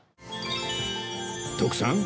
徳さん